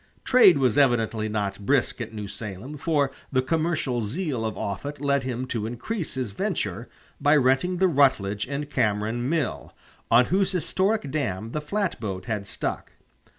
Trade was evidently not brisk at New Salem, for the commercial zeal of Offutt led him to increase his venture by renting the Rutledge and Cameron mill, on whose historic dam the flatboat had stuck.